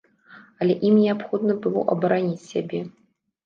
Але ім неабходна было абараніць сябе.